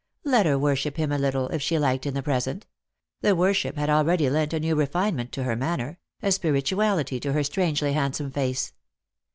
Let her worship j^ost jor MiOve. 77 him a little, if she liked, in the present ; the worship had already lent a new refinement to her manner, a spirituality to her strangely handsome face.